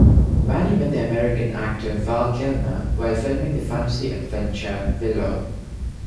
Whalley met the American actor Val Kilmer while filming the fantasy adventure Willow.